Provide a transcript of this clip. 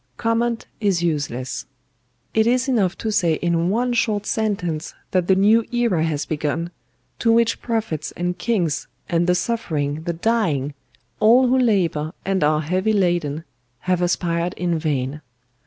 "Comment is useless. It is enough to say in one short sentence that the new era has begun, to which prophets and kings, and the suffering, the dying, all who labour and are heavy laden, have aspired in vain.